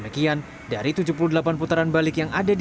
jalur putaran balik